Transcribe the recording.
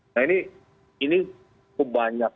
nah ini ini kebanyak